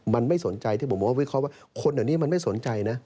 มันไม่สนใจที่ผมมาวิเคราะห์ว่าคนเดี๋ยวนี้มันไม่สนใจนะ